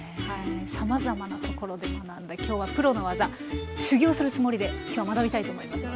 さまざまなところで学んだ今日はプロの技修業するつもりで今日は学びたいと思います。